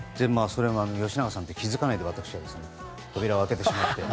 吉永さんって気づかないで扉を開けてしまって。